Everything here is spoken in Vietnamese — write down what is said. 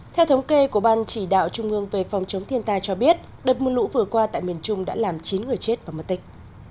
theo thống kê của ban chỉ đạo trung ương về phòng chống thiên tai cho biết đợt mưa lũ vừa qua tại miền trung đã làm chín người chết và mất tích